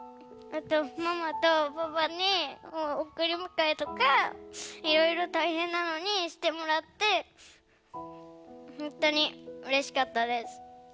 あとママとパパにおくりむかえとかいろいろ大変なのにしてもらってほんとにうれしかったです。